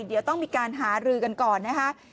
เดี๋ยวต้องมีการหารือกันก่อนนะคะ